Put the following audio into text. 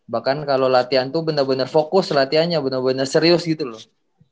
bahkan kalau latihan tuh bener bener fokus latihannya bener bener serius gitu loh